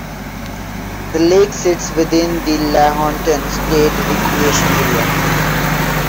The lake sits within the Lahontan State Recreation Area.